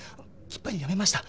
きっぱりやめました。